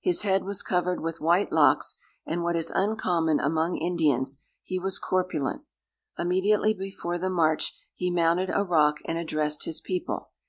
His head was covered with white locks, and, what is uncommon among Indians, he was corpulent. Immediately before the march, he mounted a rock and addressed his people.